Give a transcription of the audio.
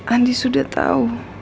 andi sudah tahu